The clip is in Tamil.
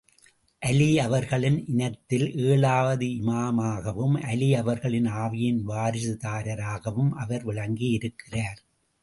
அலி அவர்களின் இனத்தில் ஏழாவது இமாமாகவும் அலி அவர்களின் ஆவியின் வாரிசுதாரராகவும் அவர் விளங்கியிருக்கிறார்.